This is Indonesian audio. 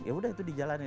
ya udah itu dijalani